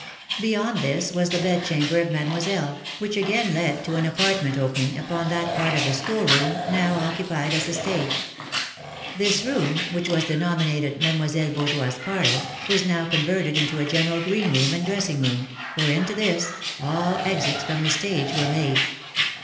Beyond this was the bedchamber of Mademoiselle, which again led to an apartment opening upon that part of the school room now occupied as the stage. This room, which was denominated Mademoiselle Beaujoie's parlour, was now converted into a general green room and dressing room, for into this, all exits from the stage were made.